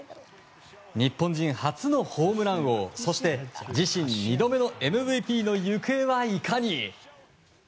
日本人初のホームラン王そして自身２度目のＭＶＰの行方はいかに。